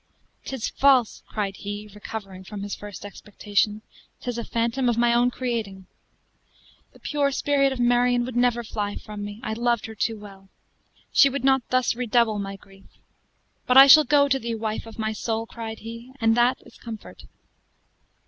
"'Tis false!" cried he, recovering from his first expectation; "'tis a phantom of my own creating. The pure spirit of Marion would never fly from me; I loved her too well. She would not thus redouble my grief. But I shall go to thee, wife of my soul!" cried he; "and that is comfort.